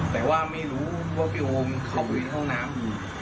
แต่ว่าไม่รู้ว่าพี่โอมเข้าไปในห้องน้ำอยู่